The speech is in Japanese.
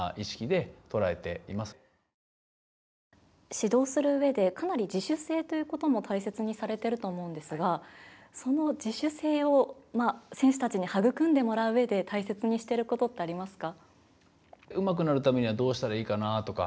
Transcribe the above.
指導するうえでかなり自主性ということも大切にされてると思うんですがその自主性を選手たちに育んでもらううえで大切にしてることってありますか。